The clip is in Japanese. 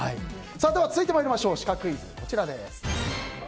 続いてまいりましょうシカクイズです。